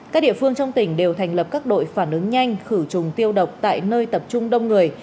các địa phương trong tỉnh đều thành lập các đội phản ứng nhanh khử trùng tiêu độc tại nơi tập trung đông người